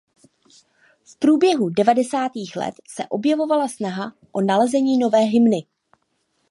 V průběhu devadesátých let se objevovala snaha o nalezení nové hymny.